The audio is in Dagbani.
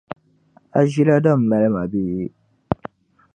A ʒi la din mali ma bee?